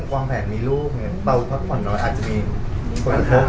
ให้เธอต้องวางแผดมีลูก